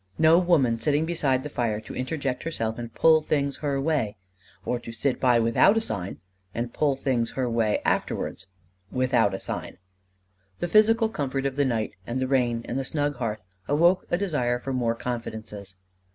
No woman sitting beside the fire to interject herself and pull things her way; or to sit by without a sign and pull things her way afterwards without a sign. The physical comfort of the night, and the rain, and the snug hearth awoke a desire for more confidences.